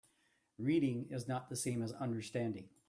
Reading is not the same as understanding.